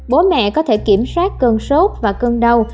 bố mẹ có thể kiểm soát cơn sốt và cơn đau